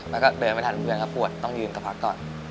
แล้วก็เดินไปทันเวลามันก็ปวดต้องยืนก็พักตอน